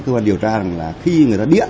cơ quan điều tra là khi người ta điện